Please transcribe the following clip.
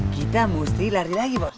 kita mesti lari lagi bos